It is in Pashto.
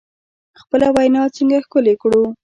خپله وینا څنګه ښکلې کړو؟